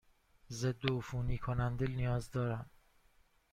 ضدعفونی کننده نیاز دارم.